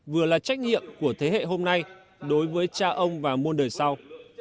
vừa là trách nhiệm của thế hệ hôm nay đối với cha ông và muôn đời sau